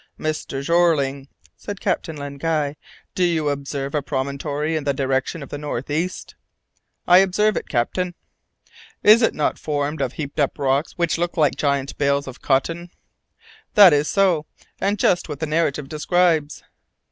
"Mr. Jeorling," said Captain Len Guy, "do you observe a promontory in the direction of the north east?" "I observe it, captain." "Is it not formed of heaped up rocks which look like giant bales of cotton?" "That is so, and just what the narrative describes."